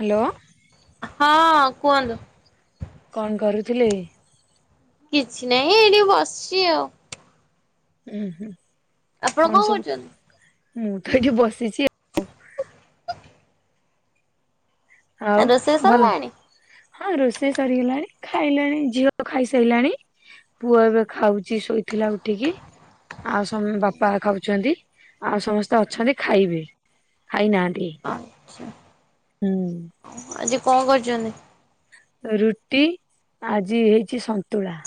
Hello. ହଁ କୁହନ୍ତୁ? କଣ କରୁଥିଲେ? କିଛି ନାହିଁ ଏଇଠି ବସିଛି ଆଉ। ଉୁଁ ହୁଁ ଆପଣ କଣ କରୁଛନ୍ତି? ସବୁ ମୁଁ ତ ଏଠି ବସିଛି। ଆଉ ରୋଷେଇ ଭଲ, ସରିଲାଣି ହଁ ରୋଷେଇ ସରିଗଲାଣି ଖାଇଲାଣି ଝିଅ ଖାଇସାଇଲାଣି। ପୁଅ ଏବେ ଖାଉଛି ଶୋଇଥିଲା ଉଠିକି। ଆଉ ସମ୍ ବାପା ଖାଉଛନ୍ତି ଆଉ ସମସ୍ତେ ଅଛନ୍ତି ଖାଇବେ। ଖାଇନାହାନ୍ତି ଆଛା ହୁଁ। ଆଜି କଣ କରିଛନ୍ତି? ରୁଟି ଆଜି ହେଇଛି ସନ୍ତୁଳା।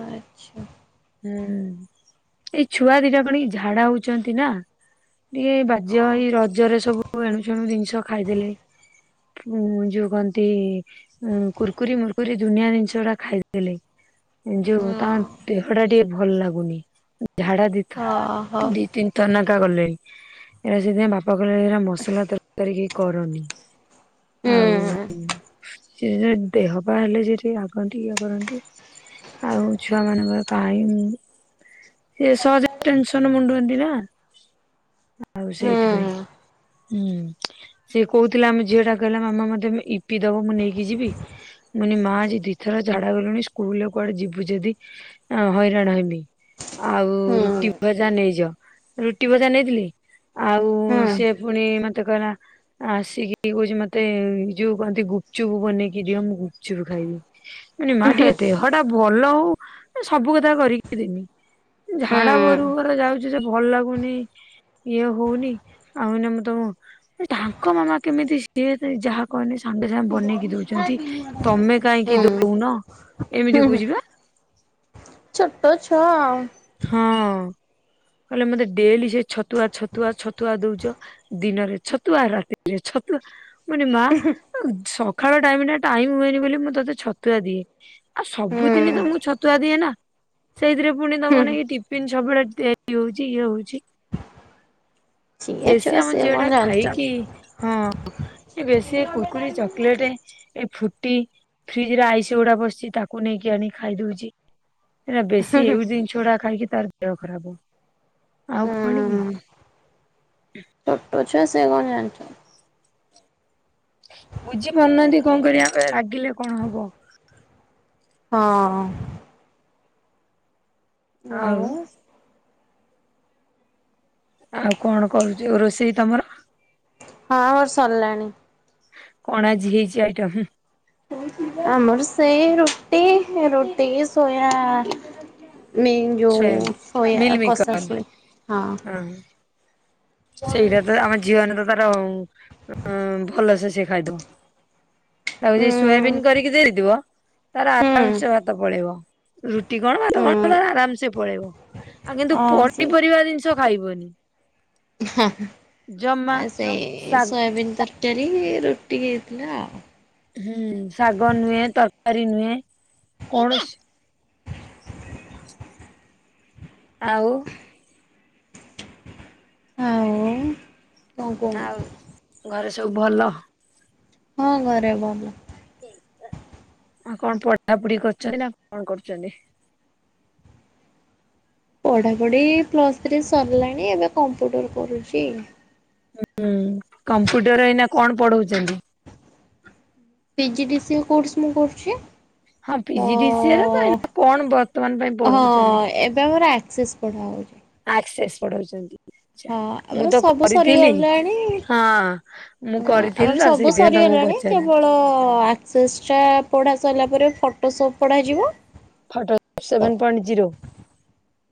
ଆଚ୍ଛା। ହୁଁ ଏଇ ଛୁଆ ଦିଟା କଣ ଝାଡା ହଉଛନ୍ତି ନା। ଟିକେ ଓ ବାଜ୍ୟ ହେଇ ରଜରେ ସବୁ ଏଣୁ ସେଣୁ ଜିନିଷ ଖାଇଦେଲେ। ଉଁ ଯୋଉ କହନ୍ତି। ଉ କୁର୍କୁରି ମୁର୍କୁରି ଦୁନିଆ ଜିନିଷ ଉଡା ଖାଇଦେଲେ ହଁ ଯୋଉ ତା ଦେହଟା ଟିକେ ଭଲ ଲାଗୁନି ଝାଡା ଦି ଓ ହୋ। ତିନିଥର ନେଖା ଗଲେଣି। ଏଇରା ସେଇଥିପାଇଁ ବାପା କହିଲେ ଏରା ମସଲା ତରକାରି କିଛି କରନି। ହୁଁ ଆଉ ସେ ସେ ଦେହ ପା ହେଲେ ସିଏ ଟିକେ ରାଗନ୍ତି ଇଏ କରନ୍ତି ଆଉ ଛୁଆ ମାନଙ୍କର ପାଇନି ସେ ସହଯେ ଟେନସନ ମୁଣ୍ଡଅନ୍ତି ନା। ଆଉ ହୁଁ ସେଇଥିପାଇଁ। ହୁଁ ସେ କହୁଥିଲା ଆମ ଝିଅ ଟା କହିଲା ମାମା ମତେ ଇପି ଦବ ମୁଁ ନେଇକି ଯିବି। ମୁ କଇନି ମା ଆଜି ଦିଥର ଝାଡା ଗଲୁଣି ସ୍କୁଲରେ କୁଆଡେ ଯିବୁ ଯଦି ଆ ହଇରାଣ ହେମି ଆଉ ହୁଁ ରୁଟି ଭଜା ନେଇଯ। ରୁଟି ଭଜା ନେଇଥିଲେ ଆଉ ହୁଁ ସିଏ ପୁଣି ମତେ କହିଲା ଆସିକି କହୁଛି ମତେ ଏ ଯୋଉ କଣ ତି ଗୁପଚୁପୁ ବନେଇକି ଦିଅ ମୁଁ ଗୁପଚୁପ ଖାଇବି। [inaudible] ମୁଁ କହିନି ମା ଟିକେ ହୁଁ ହୁଁ ଦେହଟା ଭଲ ହଉ ଏ ସବୁ କଥା କରିକି ଦେମି। ଝାଡା ଭରୁ କୁ ଭର ଯାଉଚି ସେ ଭଲ ଲାଗୁନି। ଇଏ ହଉନି ଆଉ ଏଇନା ମୁଁ ତ ଏ ତାଙ୍କ ମାମା କେମିତି ସିଏ ଯାହା କହିଲେ ସାଙ୍ଗେ ସାଙ୍ଗେ ବନେଇକି ଦଉଛନ୍ତି ତମେ କାହିଁକି ଦଉନ ଏମିତି କହୁଚିବା। ଛୋଟ ଛୁଆ ଆଉ। ହଁ କହିଲା ମତେ ଡେଲି ସେ ଛତୁଆ ଛତୁଆ ଛତୁଆ ଦଉଛ। ଦିନରେ ଛତୁଆ ରାତିରେ ଛତୁଆ ମୁ କହିନି ମା ଅ ସକାଳ ଟାଇମ ଟା ଟାଇମ ହୁଏନି ବୋଲି ମୁଁ ତୋତେ ଛତୁଆ ଦିଏ। ଆଉ ହୁଁ ସବୁଦିନ ତ ମୁଁ ଛତୁଆ ଦିଏ ନା ସେଇଥିରେ ପୁଣି ତମ ଲାଗି ଟିଫିନ ସବୁବେଳେ ତିଆରି ହଉଛି ଇଏ ହଉଛି। ସିଏ ବେଶୀ ଛୁଆ ଆମ ସିଏ ଝିଅଟା କଣ ଖାଇକି ଜାଣିଛନ୍ତି। ହଁ। ଏ ବେଶୀ ଏଇ କୁରକୁରି ଚକଲେଟ ଏ ଫୁଟି ଫ୍ରିଜ ରେ ଆଇସ ଗୁଡା ବସିଛି ତାକୁ ନେଇକି ଆଣି ଖାଇଦଉଛି। ହେରା ବେଶୀ ହୁଁ ଏଇ ଜିନିଷଗୁଡା ଖାଇକି ତାର ଦେହ ଖରାପ। ଆଉ କଣ କି। ଛୋଟ ଛୁଆ ସେ କଣ ଜାଣିଛନ୍ତି। ବୁଝିପାରୁନାହାନ୍ତି କଣ କରିବା ଆମେ ରାଗିଲେ କଣ ହବ। ହଁ। ଆଉ। ଆଉ କଣ କରୁଛୁ ରୋଷେଇ ତମର। ହଁ ମୋର ସରିଲାଣି। କଣ ଆଜି ହେଇଛି ଆଇଟମ୍। ଆମର ସେଇ ରୁଟି ରୁଟି କି ସୋୟା ମିମ୍ ସୋୟାବିନ୍? ଯୋଉ ସୋୟା ମିଲ୍ କସା ମିକର ସୋୟା ହଁ। ସେଇରା ତ ଆମ ଝିଅ ହେନେ ତ ତାରା ଉଁ ଭଲସେ ସେ ଖାଇଦବ। ତାକୁ ଯି ଉଁ ସୋୟାବିନ୍ କରିକି ଦେଇଥିବ ତାର ହୁଁ ଆରାମ ସେ ଭାତ ପଳେଇବ ରୁଟି କଣ ଭାତ ହୁଁ। କଣ ତାର ଆରାମ ସେ ପଳେଇବ। ଆଉ କିନ୍ତୁ ହଁ ସେ ପନିପରିବା ଜିନିଷ ଖାଇବନି। ହ ଜମା। ଆ ସେଇ ଶାଗ ସୋୟାବିନ୍ ତରକାରୀ ରୁଟି ହେଇଥିଲା ଆଉ। ହୁଁ ଶାଗ ନୁହେଁ ତରକାରୀ ନୁହେଁ କୌଣସି ଆଉ। ଆଉ କଣ ଆଉ କୁହନ୍ତୁ ଘରେ ସବୁ ଭଲ। ହଁ ଘରେ ଭଲ। ଆଉ କଣ ପଢାପଢି କରୁଛନ୍ତି ନା କଣ କରୁଛନ୍ତି। ପଢ଼ାପଢ଼ି ପ୍ଲସ୍ ଥ୍ରୀ ସରିଲାଣି ଏବେ କମ୍ପ୍ୟୁଟର କରୁଛି। ହୁଁ ହୁଁ କମ୍ପ୍ୟୁଟର ଏଇନା କଣ ପଢଉଛନ୍ତି। P G D C A course ମୁଁ କରୁଚି। ହଁ P G D C A ର ତ କଣ ବର୍ତ୍ତମାନ ପାଇଁ ପଢଉଛନ୍ତି। ହଁ ଏବେ ଆମର ଆକ୍ସେସ୍ ପଢ଼ାହଉଛି। ଆକ୍ସେସ୍ ପଢାଉଛନ୍ତି। ହଁ ଆପର ସବୁ ସରିଗଲାଣି ହଁ। ମୁଁ ଅ କରିଥିଲି ତ ଆମର ସବୁ ସେଇଥିପାଇଁ ତମକୁ ସରିଗଲାଣି ପଚାରିଲି କେବଳ ଆ ସେସ୍ଟା ପଢ଼ା ସାରିଲା ପରେ ଫଟୋ ସପ୍ ପଢ଼ାଯିବ ଫଟୋ ତ ସେଭେନ ପଏଣ୍ଟ ଜିରୋ।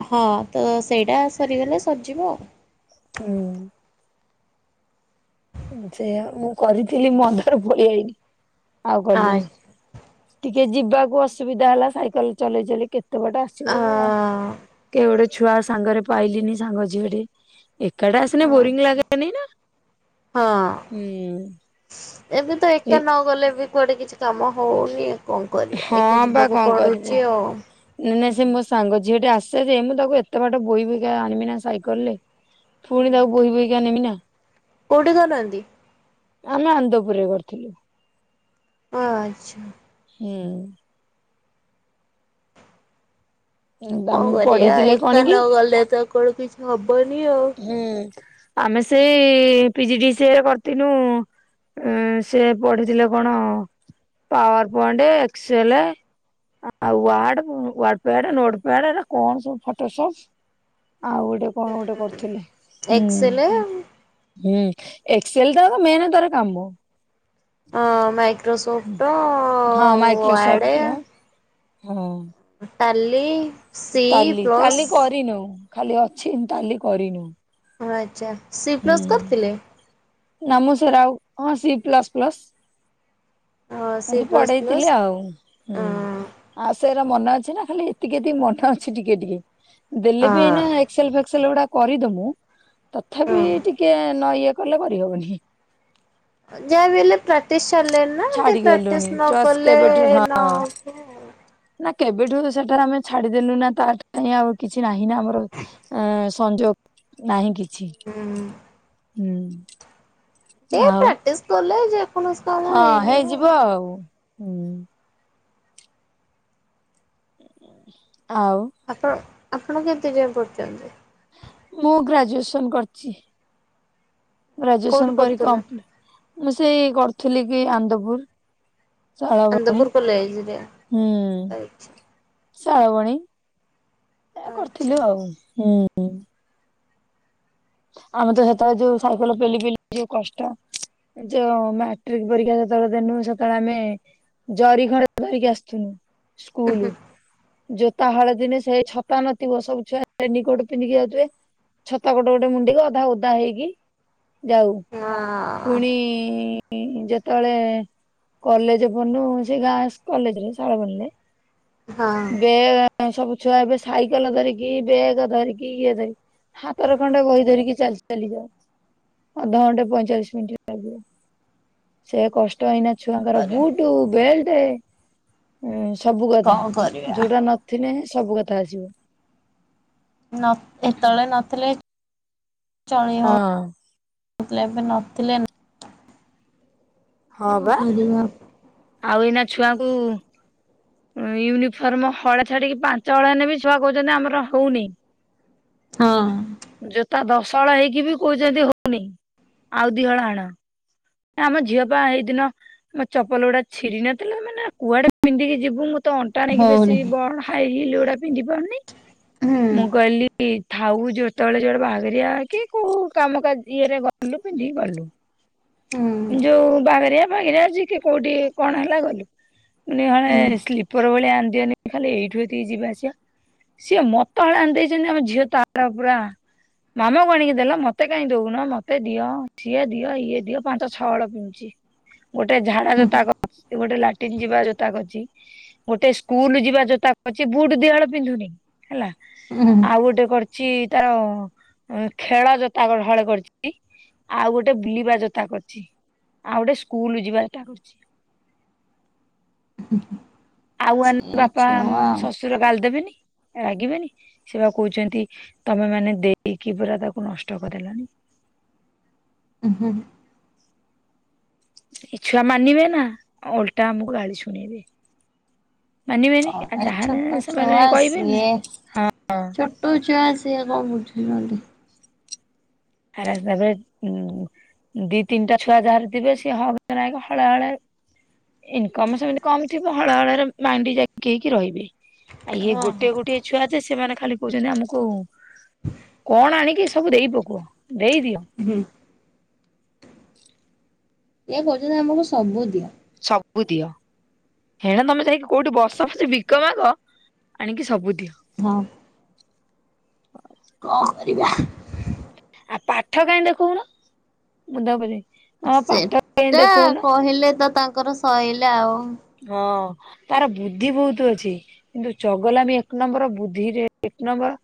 ହଁ ତ ସେଇଟା ସରିଗଲେ ସରିଯିବ ଆଉ। ହୁଁ। ସେୟା ମୁଁ କରିଥିଲି ମନ୍ଦର ପଳଆଇନି ଆଉ କଲିନି। ଟିକେ ଯିବାକୁ ଅସୁବିଧା ହେଲା ସାଇକେଲ ଚଲେଇ ଚଲେଇ କେତେ ଏତେ ପଟେ ଆସିବ ଅ କେ ଗୋଟେ ଛୁଆ ସାଙ୍ଗରେ ପାଇଲିନି ସାଙ୍ଗ ଝିଅଟିଏ। ଏକାଡେ ଆସିଲେ ବୋରିଂ ଆଚ୍ଛା ଲାଗାନି ନା? ହଁ। ହୁଁ। ଏବେ ତ ଏଇ ଏକା ନ ଗଲେ ବି କୁଆଡେ କିଛି କାମ ହଉନି। କଣ କରିବା ଏକା ଯିବାକୁ ପଡୁଛି ଆଉ। ନାଇଁ ନାଇଁ ସେ ମୋ ସାଙ୍ଗ ଝିଅଟି ଆସେ ଯେ ମୁଁ ତାକୁ ଏତେ ବାଟ ବୋହି ବୋଇ ଆଣିବି ନା ସାଇକେଲ ରେ? ପୁଣି ହୁଁ ତାକୁ ବହି ବହିକା ନେମି ନା। କୋଉଠି କରନାହାନ୍ତି। ଆମେ ଆନ୍ଦପୁରରେ କରିଥିଲୁ। ଆଚ୍ଛା। ହୁଁ। କଣ ଆମକୁ କରିବା ପଢେଇଥିଲେ କଣ ଏକା କି ନ ଗଲେ ତ କଆଡୁ କିଛି ହବନି ଆଉ। ହୁଁ ଆମେ ସେଇ ପିଜିଡିସି ଏ ରେ କରିତିନୁ ଉ ସେ ପଢିଥିଲେ କଣ ପାୱାର ପଏଣ୍ଟ ଏକ୍ସେଲ ଆଉ ୱାର୍ଡ ୱାର୍ଡପ୍ୟାଡ ନୋଟପ୍ୟାଡ ଏଗୁରା କଣ ସବୁ ଫଟୋସୋପ ଆଉଗୋଟେ କଣ ଥିଲେ ହୁଁ। ଏକ୍ସେଲେ ହୁଁ ଏକ୍ସେଲ ତା ଆଗ ମେନ୍ ତାର କାମ। ମାଇକ୍ରୋସୋଫ୍ଟ ଓ ଆଡେ ହୁଁ। Tally C Tally plus Tally କରିନୁ ଖାଲି ଅଛି ତାଲି କରିନୁ। ଆଚ୍ଛା। ସି ପ୍ଲସ୍ ହୁଁ, କରିଥିଲେ? ନା ମୁଁ ଶେଗୁରା ଆଉ ହଁ, ସି ପ୍ଲସ, ପ୍ଲସ। ହଁ ସି ଏମିତି ପ୍ଲସ୍ ପ୍ଲସ୍ ପଢେଇଥିଲେ ଆଉ ଅଁ ହୁଁ। ଆଉ ସେଗୁରା ମନେ ଅଛି ନା ଖାଲି ଏତିକି, ଏତିକି ମନ ଅଛି ଟିକେ, ଟିକେ। ଦେଲେ ବି ଅଁ ଏଇନା ଏକ୍ସେଲ, ଫେକ୍ସେଲ ଗୁଡା କରିଦବୁ ତଥାପି ହଁ। ଟିକେ ନ ଇଏ କଲେ କରି ହବନି। ଯାହା ବି ହେଲେ ପ୍ରାକ୍ଟିସ୍ ଛାଡିଲେଣି ନା ଛାଡିଗଲୁଣି ପ୍ରାକ୍ଟିସ୍ନ ଟଚ୍ କଲେ କେବେଠୁ ହଁ ନ ହବ। ନା କେବେ ଠୁ ସେଠାରେ ଆମେ ଛାଡିଦେଲୁ ନା ପାଠ ନାହିଁ ଆଉ କିଛି ନାହିଁ ନା ଆମର। ଆ ସଂଯୋଗ ନାହିଁ କିଛି ହୁଁ ହୁଁ। ଏ ଆଉ ପ୍ରାକ୍ଟସ୍ କଲେ ଯେ ହଁ, ହେଇଯିବ ଆଉ ହୁଁ। ଆଉ ଆପଣ ଆପଣ କେତେ ଯାଏ ପ଼ଢିଚ୍ଛନ୍ତି? ମୁଁ ଗ୍ରାଜୁଏସନ୍ କରିଛି। କୋଉଠି ଗ୍ରାଜୁଏସନ କରି ପଢୁଥିଲ? କମ୍ପୁ-ମୁଁ ସେଇ କରୁଥିଲି କି ଆନ୍ଦପୁର। ଚାଳ ବଣୀ, ଆନ୍ଦପୁର କଲେଜରେ ହୁଁ। ଆଚ୍ଛା ଆଚ୍ଛା [inaudible] ଆମେ ତ ସେତ ବେଳେ ଯୋଉ ସାଇକେଲ ପେଲି ପେଲି ଯୋଉ କଷ୍ଟ। ଯୋଉ ମାଟ୍ରିକ ପରୀକ୍ଷା ଯେତେ ବେଳେ ଦେନୁ ସେତେବେଳେ ଆମେ ଜରି ଖଣ୍ଡେ ଧରିକି ଆସିଥିବୁ ସ୍କୁଲ। ଜୋତା ହଳ ଦିନେ ସେଇ ଛତା ନଥିବ ସବୁ ଛୁଆ ରେନି କୋଟ ପିନ୍ଧିକି ଯାଉଥିବେ ଛତା କୋଟ ଗୋଟେ ଗୋଟେ ମୁଁଣ୍ଡେଇକି ଅଧା ଓଦା ହେଇକି ଯାଉ ହଁ ପୁଣି ଇ ଯେତେବେଳେ କଲେଜେ ପଢ଼ିନୁ ସେଇ ଗାଁ ଇସ କଲେଜରେ ଶାଳ ବଣୀ ରେ ହଁ। ବେ ସବୁ ଛୁଆ ଏବେ ସାଇକେଲ ଧରିକି ବେଗ ଧରିକି ଇଏ ଧରିକି ହାତରେ ଖଣ୍ଡେ ବହି ଧରିକି ଚାଲି ଚାଲି ଯାଉ ଅଧଘଣ୍ଟେ ପଇଁଚାଳିଶି ମିନିଟ ଲାଗିବ। ସେ କଷ୍ଟ ଏଇନା ଛୁଆଙ୍କ ର କରିବା ବୁଟୁ ବେଲ୍ଟେ ଉଁ ସବୁ କଥା କଣ କରିବା ଯୋଉଟା ନଥିଲେ ସବୁ କଥା ଆସିବ। ନ ଏତେ ବେଳେ ନଥିଲେ ଚଳେଇ ହଁ ହଉ [unintelligible] ଏବେ ନ ଥିଲେ ନାଇଁ। ହଁ କଣ ବା। କରିବା। ଆଉ ଏଇନା ଛୁଆଙ୍କୁ ୟୁନିଫର୍ମ ହଳେ ଛାଡିକି ପାଞ୍ଚ ହଳ ହେନେ ବି ଛୁଆ କୋଉଚନ୍ତି ଆମର ହୋଉନି। ହଁ। ଜୋତା ଦଶହଳ ହେଇକି ବି କୋଉଚନ୍ତି ହଉନି ଆଉ ଦିହଳ ଆଣ। ଆମ ଝିଅ ପା ହେଇ ଦିନ ଆମ ଚପଲ ଉଡା ଛିଡି ନ ଥିଲା ମାନେ କୁଆଡେ ପିନ୍ଧିକି ଯିବୁ ମୁଁ ତ ଅଣ୍ଟା ନାଗି ବେସି ହଉନି ବଡ ହାଇ ହିଲ ଉଡା ପିନ୍ଧି ପାରୁନି ହୁଁ ମୁଁ କହିଲି ଥାଉ ଯେତେଳେ ଯୁଆଡେ ବାହା ଘରିଆ କି କୋଉ କାମ କାର୍ଯ୍ୟ ରେ ଗଲୁ ପିନ୍ଧିକି ଗଲୁ। ହୁଁ ଯୋଉ ବାହାଘରିଆ ଫାଘରିଆ ଯିଏକି କୋଉଟି କଣ ହେଲା ଗଲୁ। ମୁଁ କହିନି ହୁଁ ହଳେ ସ୍ଲିପର ଭଳିଆ ଆଣିଦିଅନି ଖାଲି ଏଇଠୁ ଏତିକି ଯିବା ଆସିବା। ସିଏ ମତ ହଳେ ଆଣି ଦେଇଚନ୍ତି ଆମ ଝିଅ ତାର ପୁରା ମାମାକୁ ଆଣିକି ଦେଲ ମତେ କାଁଇଁ ଦୋଉନ ମତେ ଦିଅ ସିଏ ଦିଅ ଇଏ ଦିଅ ପାଞ୍ଚ ଛଅ ହଳ ପିନ୍ଚି। ଗୋଟେ ଝାଡା ଜୋତା କର୍ଚି ଗୋଟେ ଲାଟିନ୍ ଯିବା ଜୋତା କରିଚି। ଗୋଟେ ସ୍କୁଲ ଯିବା ଜୋତା କରିଚି ବୁଟୁ ଦିହଳ ପିନ୍ଧୁନି ହେଲା। ଉଁ ହୁଁ। ଆଉ ଗୋଟେ କରିଚି ତାର ଉଁ ଖେଳ ଜୋତା ଗ ହଳେ କରିଚି। ଆଉ ଗୋଟେ ବୁଲିବା ଯୋତା କରିଚି ଆଉ ଗୋଟେ ସ୍କୁଲ ଯିବା ଯୋତା କରିଚି। ଆଉ ଆଣନେ ସେ ବାପା ଛୁଆ ଶ୍ୱଶୁର ଗାଲ ଦେବେନି। ରାଗିବେନି ସେ ବା କୋଉଚନ୍ତି ତମେ ମାନେ ଦେଇକି ପୁରା ତାକୁ ନଷ୍ଟ କରେଇଲଣି। ଉଁ ହୁଁ। ଏ ଛୁଆ ମାନିବେ ନା ଓଲଟା ଆମକୁ ଗାଳି ଶୁଣେଇବେ। ମାନିବେନି କଣ ଯାହା ନେ ଛୋଟ ସେମାନେ ଛୁଆ କହିବେନି। ତୋ ଛୁଆ ସେ କଣବୁଝୁଚନ୍ତି। [unintelligible] ଉଁ ଦି ତିନିଟା ଛୁଆ ଯାହାରଥିବେ ସିଏ ହକ ନାକେ ହଳେ ହଳେ ଇନ୍କମ ସେମିତି କମ ଥିବ ହଳେହଳେରେ ମାଣ୍ଡି ଯାକି ହେଇକି ରହିବେ। ଆ ଇଏ ହଁ ହଁ ଗୋଟେ ଗୋଟଏ ଛୁଆ ଯେ ସେମାନେ ଖାଲି କୋଉଚନ୍ତି ଆମକୁ କଣ ଆଣିକି ସବୁ ଦେଇ ପକୁଅ ଦେଇଦିଅ। ହୁଁ। ଇଏ କୋହୁଚନ୍ତି ଆମକୁ ସବୁ ଦିଅ। ସବୁ ଦିଅ। ହେଣେ ତମେ ଯାଇକି କୋଉଟି ବସ ପଛେ ଭିକ ମାଗ ଆଣିକି ସବୁ ଦିଅ। ହଁ। କଣ କରିବା। ଆ ପାଠ କାଇଁ ଦେଖଉନ ମୁୁ [unintelligible] ସେଟା କହିଲେ ତ ତାଙ୍କର ସଇଲା ଆଉ। ହଁ। ତାର ବୁଦ୍ଧି ବୋହୁତ ଅଛି କିନ୍ତୁ ଚଗଲା ମି ଏକ ନମ୍ବର ବୁଦ୍ଧିରେ ଏକ ନମ୍ବର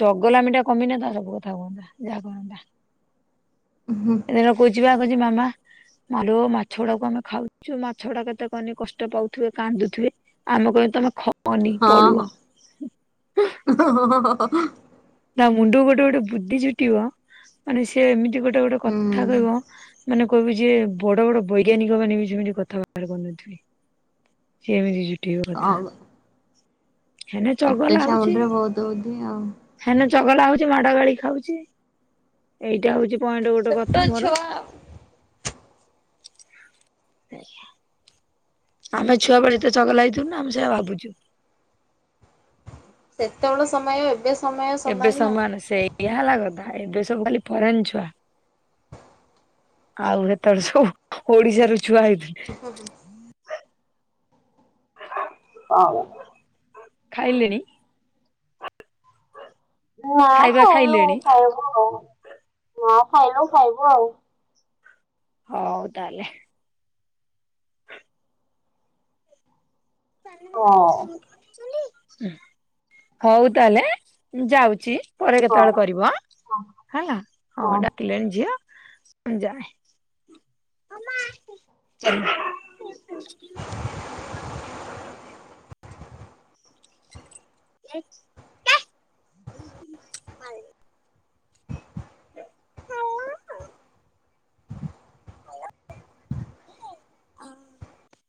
ଚଗଲାମି ଟା କମିନେ ତା ସବୁ କଥା ହୁଅନ୍ତା ଯାହା କୁହନ୍ତା। ହୁ ହଁ। ଦେଖିଲାବଳକୁ କହୁଛି ଆ କଛି ମାମା ମା ଲୋ ମାଛ ଗୁଡାକୁ ଆମେ ଖାଉଛୁ ମାଛ ଗୁଡା କେତେ କନି କଷ୍ଟ ପାଉଥିବେ କାନ୍ଦୁଥିବେ। ଆମ କହୁ ତମ ଖ ହଁ ହଁ ହଁ ହଁ ହଁ। ତା ମୁଣ୍ଡକୁ ଗୋଟେ ଗୋଟେ ବୁଦ୍ଧି ଜୁଟିବ ମାନେ ସିଏ ଏମିତି ଗୋଟେ ଗୋଟେ କଥା କହିବ। ମାନେ କହିବୁ ଯେ ବଡ ବଡ ବୈଜ୍ଞାନିକ ମାନେ ବି ଯେମିତି କଥାବାର୍ତା କରୁନଥିବେ। ସିଏ ଏମିତି ଜୁଟେଇବ କଥା। ହଉ। ହେନେ ଛୋଟ ଛୁଆ ମୁଣ୍ଡରେ ବହୁତ ବୃଦ୍ଧି ଆଉ। ହେନା ଚଗଲା ହଉଛି ମାଡ ଗାଳି ଖାଉଛି ଏଇଟା ହଉ ପଏଣ୍ଟ ଗୋଟେ ଛୋଟ କଥା ମୋର। ଛୁଆ ଆମେ ଛୁଆ ବଳେ ଏତେ ଚଗଲା ହେଇଥୁଲୁ ନା ଆମେ ସେୟା ଭାବୁଛୁ। ସେତେବେଳେ ସମୟ ଏବେ ସମୟ ଏବେ ନା। ସମାନ ସେୟା ହେଲା କଥା ଏବେ ସବୁ ଖାଲି ଫରେନ୍ ଛୁଆ। ଆଉ ସେତେବେଳେ ସବୁ ଓଡିଶାର ଛୁଆ ହେଇଥିଲେ। ହୁଁ। ହଁ ପା। ଖାଇଲେଣିି? ନା ଖାଇନୁ ଖାଇବୁ ଆଉ ଖାଇନୁ ଖାଇବୁ ଆଉ। ହଉ ତାହାଲେ। ହଁ। ହଉ ତାହେଲେ ମୁଁ ଯାଉଛି। ପରେ ହଁ। କେତେବେଳେ କରିବ ହେଲା ହଉ ଡାକିଲେଣି ଝିଅ ମୁଁ ଯାଏ। ଚାଲ [unintelligible] ଏକ [unintelligible] ହଁ [unintelligible] ହଁ [unintelligible]